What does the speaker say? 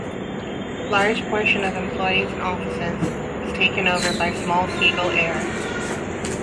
Large portion of employees and offices was taken over by small Seagle Air.